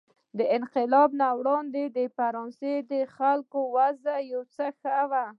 د انقلاب نه وړاندې د فرانسې د خلکو وضع یو څه ښه وه.